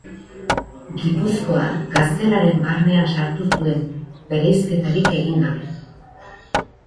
Gipuzkoa Gaztelaren barnean sartu zuen, bereizketarik egin gabe.